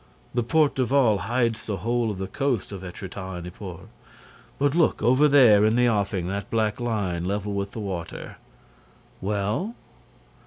"The Porte d'Aval hides the whole of the coast of Étretat and Yport. But look, over there, in the offing, that black line, level with the water—" "Well?"